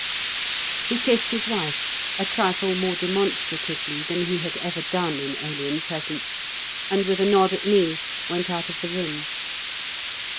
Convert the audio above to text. He kissed his wife, a trifle more demonstratively than he had ever done in alien presence, and with a nod at me, went out of the room.